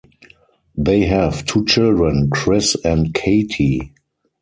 They have two children, Chris and Katie.